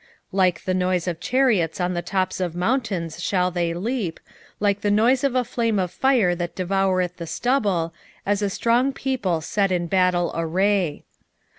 2:5 Like the noise of chariots on the tops of mountains shall they leap, like the noise of a flame of fire that devoureth the stubble, as a strong people set in battle array.